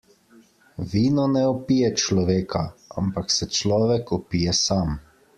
Vino ne opije človeka, ampak se človek opije sam.